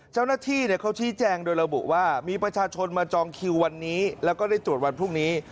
เจ้าหน้าที่เขาชี้แจงโดยระบุว่ามีประชาชนมาจองคิววันนี้แล้วก็ได้ตรวจวันพรุ่งนี้